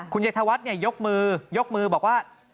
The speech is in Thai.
คุณใช้ธวัดยกมือบอกว่า